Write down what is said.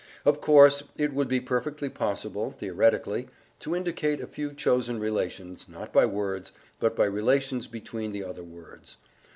Of course, it would be perfectly possible, theoretically, to indicate a few chosen relations, not by words, but by relations between the other words.